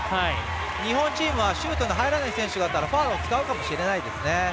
日本チームはシュートの入らない選手ならファウルを使うかもしれないですね。